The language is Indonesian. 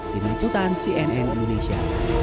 di meniputan cnn indonesia